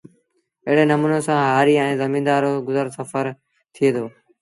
ايڙي نموٚني سآݩ هآريٚ ائيٚݩ زميݩدآر روسڦر گزر ٿئي دو